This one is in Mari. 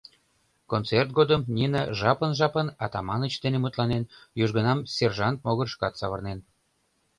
Концерт годым Нина жапын-жапын Атаманыч дене мутланен, южгунам сержант могырышкат савырнен.